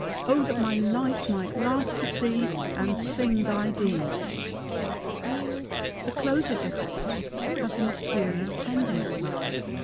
O that my life might last to see and sing thy deeds!" The close of this eclogue has a mysterious tenderness.